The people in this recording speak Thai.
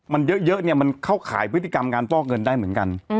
มันเยอะเนี่ยมันเข้าขายพฤติกรรมการฟอกเงินได้เหมือนกัน